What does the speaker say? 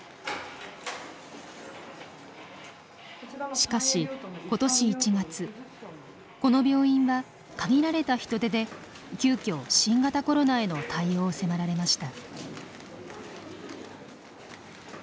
しかし今年１月この病院は限られた人手で急きょ新型コロナへの対応を迫られました。